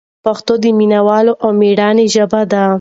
پښتو د مینه والو او مېړنیو ژبه ده.